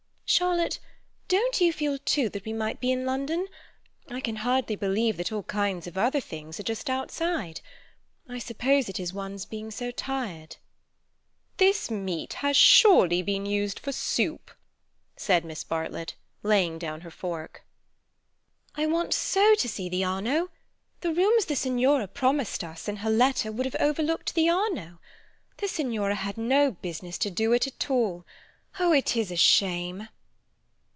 "Charlotte, don't you feel, too, that we might be in London? I can hardly believe that all kinds of other things are just outside. I suppose it is one's being so tired." "This meat has surely been used for soup," said Miss Bartlett, laying down her fork. "I want so to see the Arno. The rooms the Signora promised us in her letter would have looked over the Arno. The Signora had no business to do it at all. Oh, it is a shame!"